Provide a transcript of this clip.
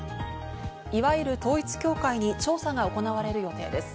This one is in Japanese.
いわゆる統一教会に調査が行われる予定です。